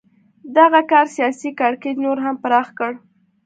دغه کار سیاسي کړکېچ نور هم پراخ کړ.